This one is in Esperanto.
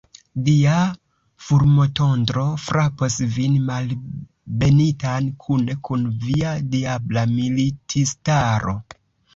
Dia fulmotondro frapos vin, malbenitan, kune kun via diabla militistaro!